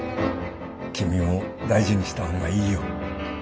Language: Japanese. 君も大事にした方がいいよ。